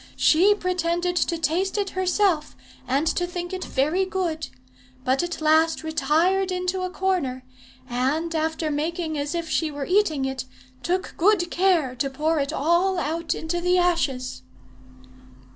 She pretended to taste it herself, and to think it very good; but at last retired into a corner, and after making as if she were eating it, took good care to pour it all out into the ashes."